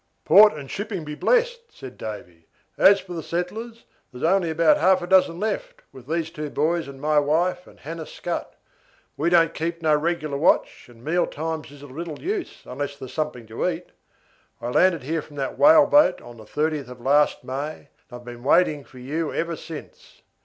"Port and shipping be blessed," said Davy; "and as for the settlers, there are only about half a dozen left, with these two boys and my wife, and Hannah Scutt. We don't keep no regular watch, and meal times is of little use unless there's something to eat. I landed here from that whale boat on the 30th of last May, and I have been waiting for you ever since.